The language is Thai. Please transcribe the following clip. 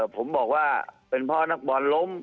ผมบอกว่าเป็นเพราะนักบอลล้ม